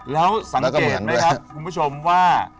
แล้วสังเกตไหมครับคุณผู้ชมว่า